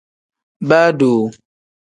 Baa doo.